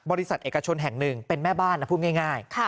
บริษัทเอกชนแห่งหนึ่งเป็นแม่บ้านนะพูดง่าย